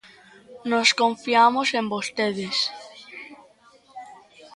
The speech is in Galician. Nós confiamos en vostedes.